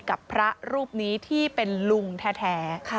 กับพระรูปนี้ที่เป็นลุงแท้